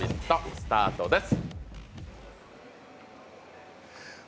スタートです。